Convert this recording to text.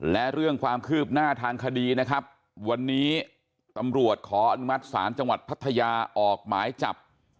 และเรื่องความคืบหน้าทางคดีนะครับ